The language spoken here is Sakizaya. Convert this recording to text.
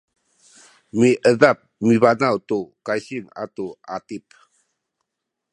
miedap mibanaw tu kaysing atu atip